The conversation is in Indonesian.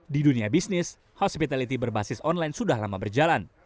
di dunia bisnis hospitality berbasis online sudah lama berjalan